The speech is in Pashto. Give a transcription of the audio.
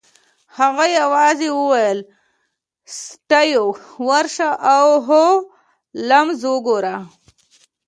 هغه یوازې وویل چې سټیو ورشه او هولمز وګوره